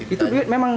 itu duit memang